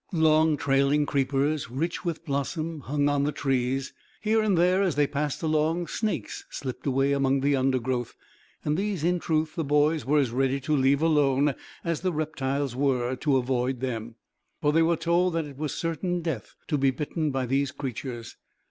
Long trailing creepers, rich with blossom, hung on the trees. Here and there, as they passed along, snakes slipped away among the undergrowth; and these, in truth, the boys were as ready to leave alone as the reptiles were to avoid them, for they were told that it was certain death to be bitten by these creatures.